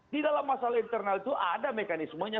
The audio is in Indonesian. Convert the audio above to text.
di dalam masalah internal itu ada mekanismenya